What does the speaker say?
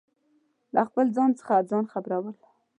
له خپل ځان څخه ځان خبرو ل